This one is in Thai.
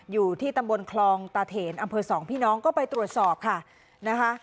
อยู่ที่ตำบลคลองตาเถนอำเภอสองพี่น้องก็ไปตรวจสอบค่ะนะคะ